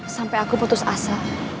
sampai aku putus asa